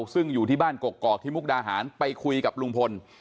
ซึ่งอยู่ที่บ้านกกอกที่มุกดาหารไปคุยกับลุงพล